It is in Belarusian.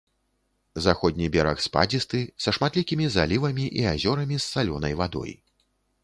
Заходні бераг спадзісты, са шматлікімі залівамі і азёрамі з салёнай вадой.